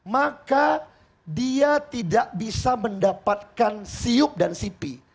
maka dia tidak bisa mendapatkan siup dan sipi